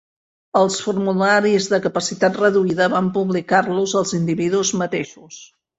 Els formularis de capacitat reduïda van publicar-los els individus mateixos.